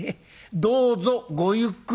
どうぞごゆっくり」。